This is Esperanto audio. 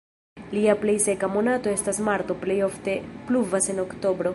Lia plej seka monato estas marto, plej ofte pluvas en oktobro.